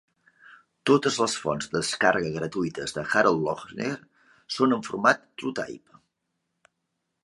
Totes les fonts de descàrrega gratuïtes de Harold Lohner són en format TrueType.